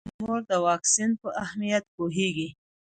مور د واکسین په اهمیت پوهیږي.